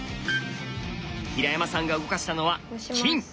平山さんが動かしたのは金。